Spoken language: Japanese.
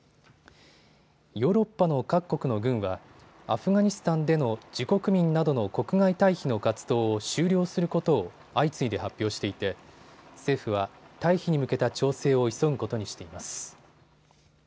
ヨーロッパの各国の軍はアフガニスタンでの自国民などの国外退避の活動を終了することを相次いで発表していて政府は退避に向けた調整を急ぐことにしています。